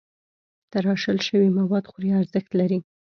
تراشل شوي مواد خوري ارزښت لري.